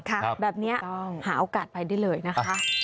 แบบนี้ต้องหาโอกาสไปได้เลยนะคะ